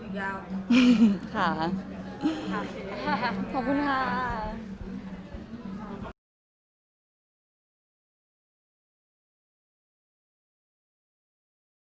อเรนนี่มีหลังไม้ไม่มี